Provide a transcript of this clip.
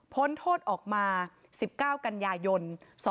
พ้นโทษออกมา๑๙กันยายน๒๕๖